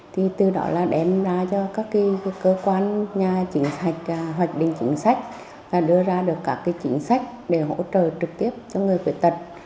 thì từ đó là đem ra cho các cơ quan nhà chính sách hoạch định chính sách và đưa ra được các chính sách để hỗ trợ trực tiếp cho người khuyết tật